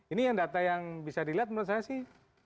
ini yang data yang bisa dilihat menurut saya sih